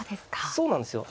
そうなんですよ